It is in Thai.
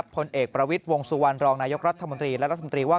พลเอกประวิทย์วงสุวรรณรองนายกรัฐมนตรีและรัฐมนตรีว่า